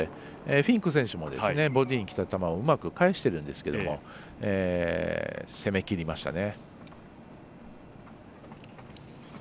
フィンク選手もボディーにきた球をうまく返してるんですけど攻めきりましたね。